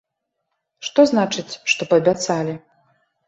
Што значыць, што паабяцалі?